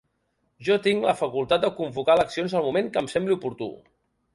Jo tinc la facultat de convocar eleccions en el moment que em sembli oportú.